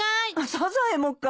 サザエもかい。